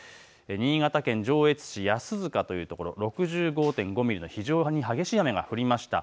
新潟県上越市安塚という所、６５．５ミリ、非常に激しい雨が降りました。